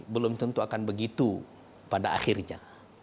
belum tentu akan begitu pada akhirnya